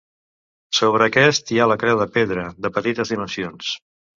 Sobre aquest hi ha la creu de pedra, de petites dimensions.